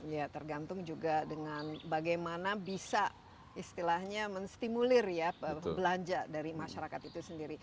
ya tergantung juga dengan bagaimana bisa istilahnya menstimulir ya belanja dari masyarakat itu sendiri